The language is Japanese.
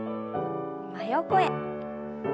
真横へ。